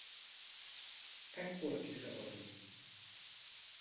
Ekkor kiszabadulnak.